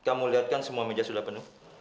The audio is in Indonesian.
kamu lihat kan semua meja sudah penuh